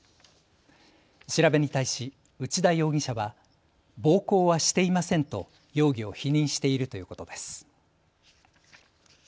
調べに対し内田容疑者は暴行はしていませんと容疑を否認しているということです。